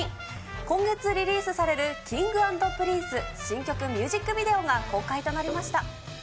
今月リリースされるＫｉｎｇ＆Ｐｒｉｎｃｅ、新曲ミュージックビデオが公開となりました。